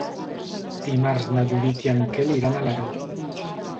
Dimarts na Judit i en Quel iran a Alaró.